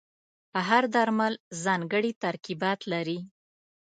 هر درمل ځانګړي ترکیبات لري.